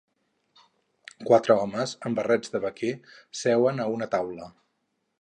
Quatre homes amb barrets de vaquer seuen a una taula.